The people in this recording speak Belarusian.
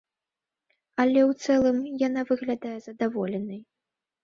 Але ў цэлым яна выглядае задаволенай.